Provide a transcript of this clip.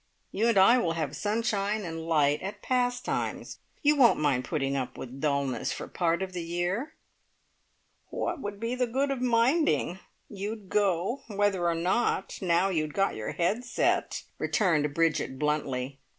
You and I will have sunshine and light at Pastimes you won't mind putting up with dullness for part of the year?" "What would be the good of minding? You'd go, whether or not, now you'd got your head set!" returned Bridget bluntly.